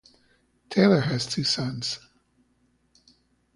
Taylor has two sons.